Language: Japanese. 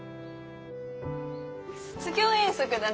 卒業遠足だね。